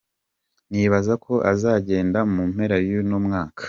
Nibaza ko azogenda mu mpera y'uno mwaka.